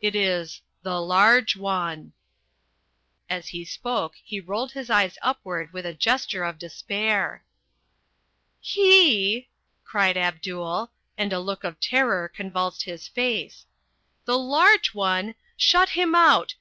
It is THE LARGE ONE!" As he spoke he rolled his eyes upward with a gesture of despair. "HE!" cried Abdul, and a look of terror convulsed his face. "The Large One! Shut him out!